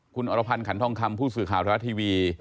คุณอรพันธ์ขันทองคำผู้สื่อข่าวไทยรัฐทีวี